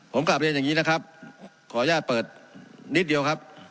ผมกลับเรียนอย่างนี้นะครับขออนุญาตเปิดนิดเดียวครับ